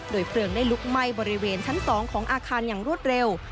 เพลิงได้ลุกไหม้บริเวณชั้น๒ของอาคารอย่างรวดเร็ว